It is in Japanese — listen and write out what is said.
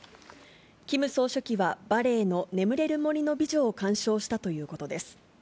キム総書記はバレエの眠れる森の美女を鑑賞したということです。